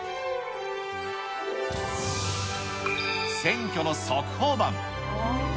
選挙の速報板。